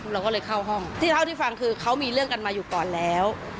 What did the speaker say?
เราก็เลยเข้าห้องที่เท่าที่ฟังคือเขามีเรื่องกันมาอยู่ก่อนแล้ว